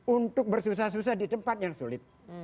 untuk bersusah susah di tempat yang sulit